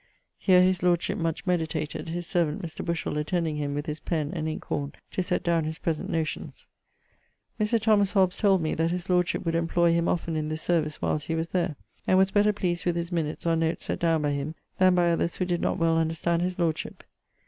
Here his lordship much meditated, his servant Mr. Bushell attending him with his pen and inke horne to sett downe his present notions. Mr. Thomas Hobbes told me, that his lordship would employ him often in this service whilest he was there, and was better pleased with his minutes, or notes sett downe by him, then by others who did not well understand his lordship.